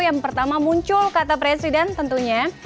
yang pertama muncul kata presiden tentunya